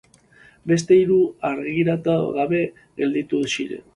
Beste hiru argitaratu gabe gelditu ziren.